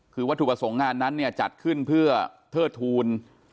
คือวัตถุประสงค์งานนั้นเนี่ยจัดขึ้นเพื่อเทิดทูล